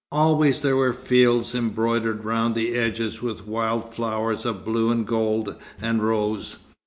Always there were fields embroidered round the edges with wild flowers of blue and gold, and rose.